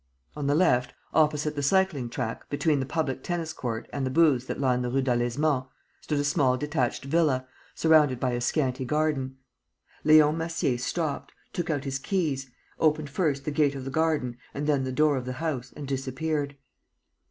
On the left, opposite the cycling track, between the public tennis court and the booths that line the Rue Delaizement, stood a small detached villa, surrounded by a scanty garden. Leon Massier stopped, took out his keys, opened first the gate of the garden and then the door of the house and disappeared.